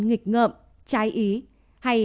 nghịch ngợm trái ý hay